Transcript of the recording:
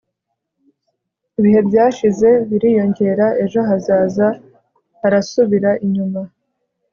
ibihe byashize biriyongera, ejo hazaza harasubira inyuma